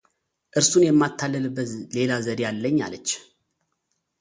እርሱን የማታልልበት ሌላ ዘዴ አለኝ አለች፡፡